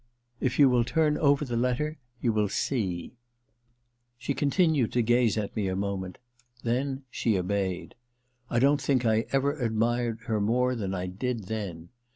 * If you will turn over the letter you will She continued to gaze at me a moment ; then she obeyed. I don't think I ever admired her more than I did then.